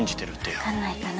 わかんないかな